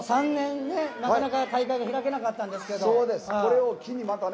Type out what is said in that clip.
３年、なかなか大会が開けなかったんですけどね。